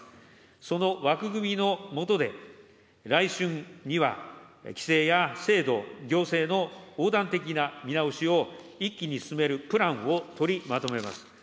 その枠組みの下で、来春には、規制や制度、行政の横断的な見直しを一気に進めるプランを取りまとめます。